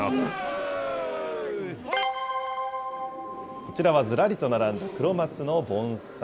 こちらはずらりと並んだ黒松の盆栽。